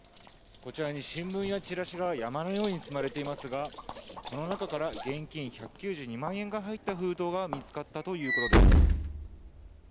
こちらに新聞やちらしが山のように積まれていますが、この中から現金１９２万円が入った封筒が見つかったということです。